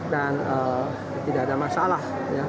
dan tidak ada masalah